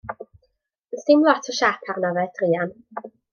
Ond 's dim lot o siâp arno fe, druan.